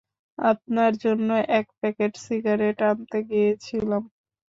আপনার জন্যে এক প্যাকেট সিগারেট আনতে গিয়েছিলাম।